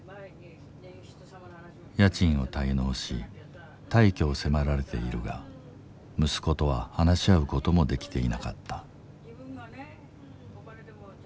家賃を滞納し退去を迫られているが息子とは話し合うこともできていなかった。